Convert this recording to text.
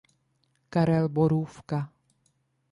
Karel Borůvka.